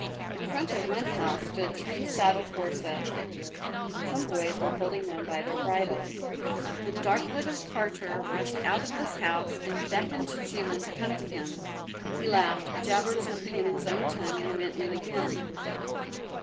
In front of one house stood three saddled horses; some boys were holding them by their bridles. The dark little Tartar rushed out of this house and beckoned to Jilin to come to him. He laughed, jabbered something in his own tongue and went in again.